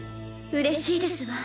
うれしいですわ。